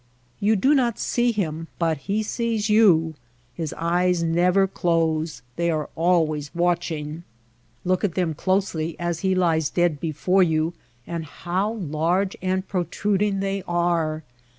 You do not see him but he sees you. His eyes never close ; they are always watching. Look at them close ly as he lies dead before you and how large and protruding they are